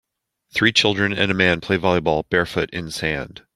Three children and a man play volleyball, barefoot in sand.